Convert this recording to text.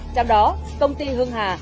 trong đó công ty hưng hà